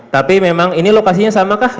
tapi memang ini lokasinya sama kah